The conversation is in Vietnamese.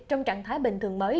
trong trạng thái bình thường mới